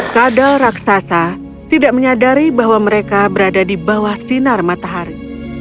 kadal raksasa tidak menyadari bahwa mereka berada di bawah sinar matahari